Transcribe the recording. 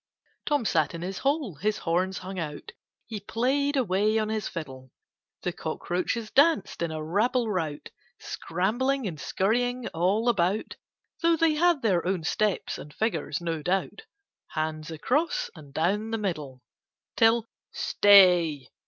Tom sat in his hole, his horns hung out, He play'd away on his fiddle; The Cockroaches danced in a rabble rout, Scrambling and scurrying all about, Tho' they had their own steps and figures no doubt, Hands across, and down the middle. Till, "Stay!"